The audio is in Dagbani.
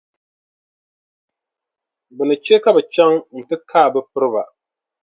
Bɛ ni che ka bɛ chaŋ nti kaai bɛ piriba.